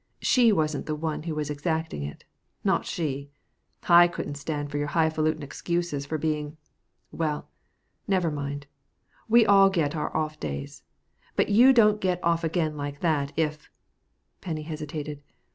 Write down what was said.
She wasn't the one who was exacting it not she. I couldn't stand for your highfalutin excuses for being well, never mind we all get our off days. But don't you get off again like that if " Penny hesitated.